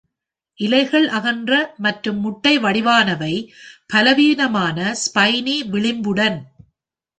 இலைகள் அகன்ற மற்றும் முட்டை வடிவானவை, பலவீனமான ஸ்பைனி விளிம்புடன்.